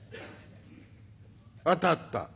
「当たった」。